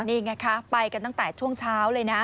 นี่ไงคะไปกันตั้งแต่ช่วงเช้าเลยนะ